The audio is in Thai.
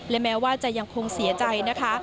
และแม้ว่าจะยังคงเสียใจนะคะ